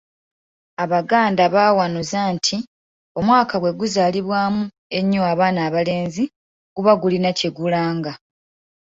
Abaganda bawanuuza nti omwaka bwe guzaalibwamu ennyo abaana abalenzi guba gulina kye gulanga.